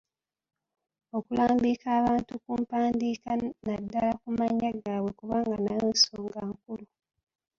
Okulambika abantu ku mpandiika naddala ku mannya gaabwe kubanga nayo nsonga nkulu.